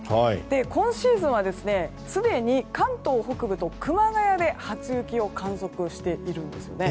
今シーズンはすでに関東北部と熊谷で初雪を観測しているんです。